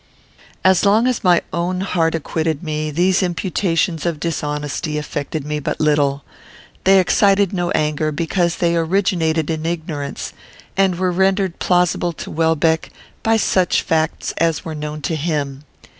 As long as my own heart acquitted me, these imputations of dishonesty affected me but little. They excited no anger, because they originated in ignorance, and were rendered plausible to Welbeck by such facts as were known to him.